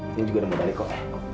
ini juga udah mau balik kok